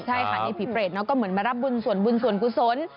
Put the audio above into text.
ใช่ค่ะนี่ผีเปรตก็เหมือนมารับบุญส่วนบุญส่วนกุศล